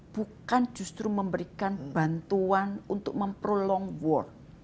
bukan justru memberikan bantuan untuk memprolong war